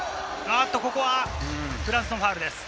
ここはフランスのファウルです。